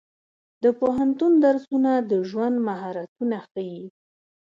د پوهنتون درسونه د ژوند مهارتونه ښيي.